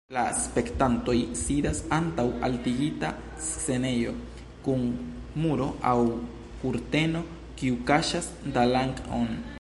La spektantoj sidas antaŭ altigita scenejo kun muro aŭ kurteno, kiu kaŝas dalang-on.